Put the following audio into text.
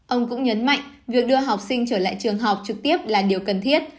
ông cũng nhấn mạnh việc đưa học sinh trở lại trường học trực tiếp là điều cần thiết